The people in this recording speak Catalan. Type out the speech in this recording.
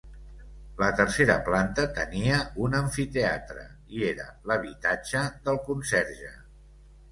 La tercera planta tenia un amfiteatre i era l'habitatge del conserge.